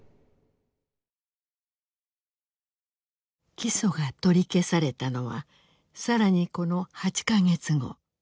起訴が取り消されたのは更にこの８か月後。